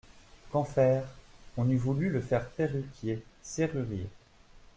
Qu'en faire ? On eût voulu le faire perruquier, serrurier.